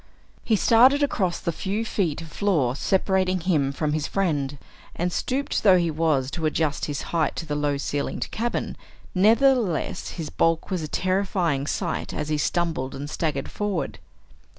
He started across the few feet of floor separating him from his friend, and, stooped though he was to adjust his height to the low ceilinged cabin, nevertheless his bulk was a terrifying sight as he stumbled and staggered forward.